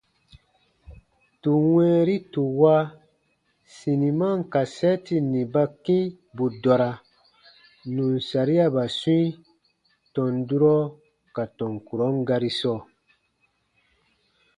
Tù wɛ̃ɛri tù wa siniman kasɛɛti nì ba kĩ bù dɔra nù n sariaba swĩi tɔn durɔ ka tɔn kurɔn gari sɔɔ.